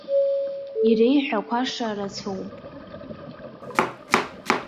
Иреиҳәақәаша рацәоуп.